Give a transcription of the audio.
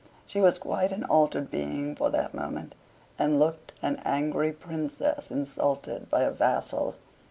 She was quite an altered being for that moment; and looked an angry princess insulted by a vassal.